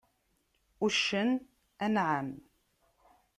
Uccen: Anεam.